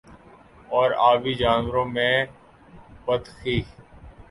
اور آبی جانوروں میں بطخیں